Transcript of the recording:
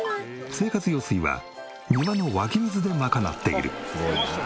生活用水は庭の湧き水で賄っている。